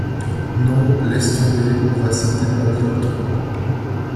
Non, laisse tomber, on va se dépanner autrement.